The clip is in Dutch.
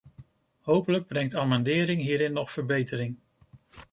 Hopelijk brengt amendering hierin nog verbetering.